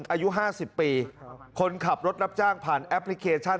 อายุ๕๐ปีคนขับรถรับจ้างผ่านแอปพลิเคชัน